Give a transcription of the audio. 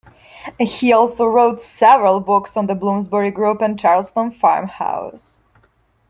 He also wrote several books on the Bloomsbury Group and Charleston Farmhouse.